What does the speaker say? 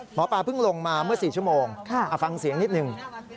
หมอปลาเพิ่งลงมาเมื่อ๔ชั่วโมงฟังเสียงนิดหนึ่ง